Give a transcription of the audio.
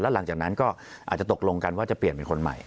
หลังจากนั้นก็อาจจะตกลงกันว่าจะเปลี่ยนเป็นคนใหม่